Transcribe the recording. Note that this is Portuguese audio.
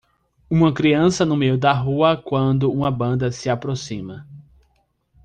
Uma criança no meio da rua quando uma banda se aproxima.